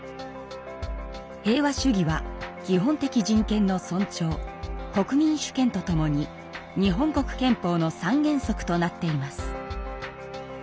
平和主義は「基本的人権の尊重」「国民主権」とともに日本国憲法の三原則となっています。